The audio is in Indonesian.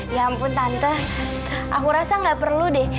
ya ampun tante aku rasa gak perlu deh